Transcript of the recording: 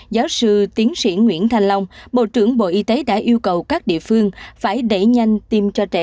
giáo sư tiến sĩ nguyễn thanh long bộ trưởng bộ y tế đã yêu cầu các địa phương phải đẩy nhanh tiêm cho trẻ